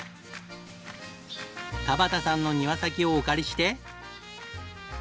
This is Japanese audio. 田端さんの庭先をお借りして。